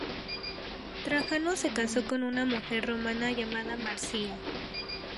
Trajano se casó con una mujer romana llamada Marcia.